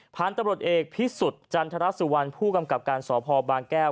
พันธุ์ตำรวจเอกพิสุทธิ์จันทรสุวรรณผู้กำกับการสพบางแก้ว